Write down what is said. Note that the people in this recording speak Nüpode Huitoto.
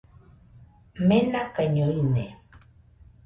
Menakaiño ine